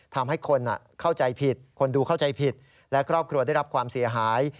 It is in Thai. ทำให้คนเข้าใจผิดคนดูเข้าใจผิดและครอบครัวได้รับความเสียหาย